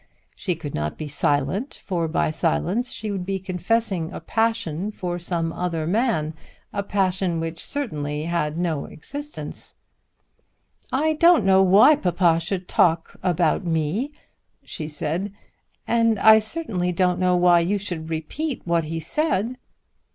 She could not be silent, for by silence she would be confessing a passion for some other man, a passion which certainly had no existence. "I don't know why papa should talk about me," she said, "and I certainly don't know why you should repeat what he said."